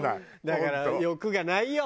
だから欲がないよ。